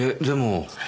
でも。